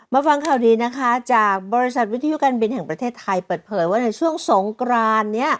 ฟังข่าวดีนะคะจากบริษัทวิทยุการบินแห่งประเทศไทยเปิดเผยว่าในช่วงสงกรานนี้